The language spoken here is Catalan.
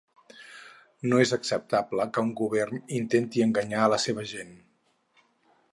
No és acceptable que un govern intente enganyar a la seua gent.